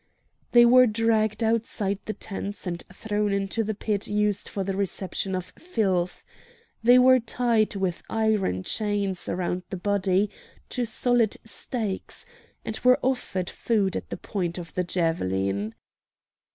They were dragged outside the tents and thrown into the pit used for the reception of filth. They were tied with iron chains around the body to solid stakes, and were offered food at the point of the javelin.